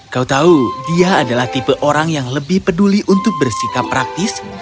kau tahu dia adalah tipe orang yang lebih peduli untuk bersikap praktis